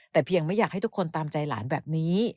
แต่เพียงไม่อยากให้ทุกคนตามใจหลานแบบนี้